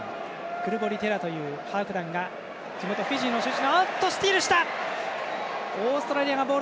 クルボリ、テラというハーフ団が地元フィジーの出身。